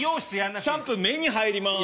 シャンプー目に入ります。